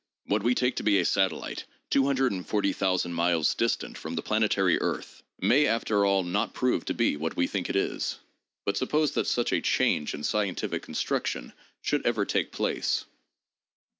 ... What we take to be a satellite, 240,000 miles distant from the planetary earth, may after all not prove to be what we think it is. But suppose that such a change in scientific construction should ever take place?